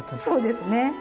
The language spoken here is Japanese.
そうですね。